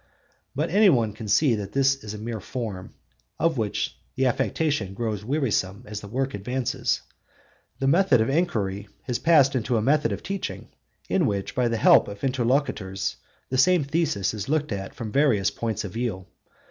But any one can see that this is a mere form, of which the affectation grows wearisome as the work advances. The method of enquiry has passed into a method of teaching in which by the help of interlocutors the same thesis is looked at from various points of view.